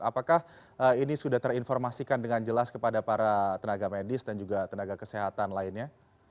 apakah ini sudah terinformasikan dengan jelas kepada para tenaga medis dan juga tenaga kesehatan lainnya